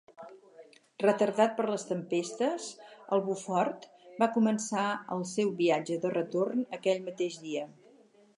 Retardat per les tempestes, el "Buford" va començar el seu viatge de retorn aquell mateix dia.